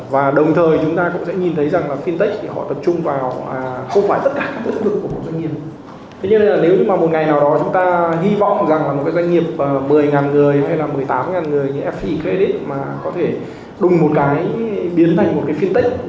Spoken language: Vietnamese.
và đồng thời thì nó cũng mở rửa ra rất nhiều cơ hội hợp tác